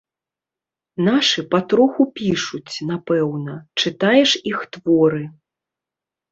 Нашы патроху пішуць, напэўна, чытаеш іх творы.